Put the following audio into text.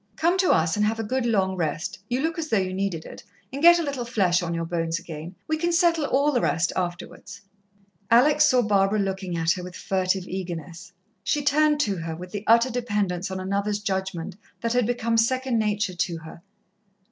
Come to us and have a good long rest you look as though you needed it and get a little flesh on your bones again. We can settle all the rest afterwards." Alex saw Barbara looking at her with furtive eagerness. She turned to her, with the utter dependence on another's judgment that had become second nature to her.